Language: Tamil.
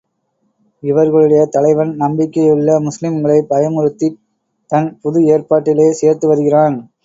இவர்களுடைய தலைவன், நம்பிக்கையுள்ள முஸ்லிம்களைப் பயமுறுத்தித் தன் புது ஏற்பாட்டிலே சேர்த்துவருகிறான்.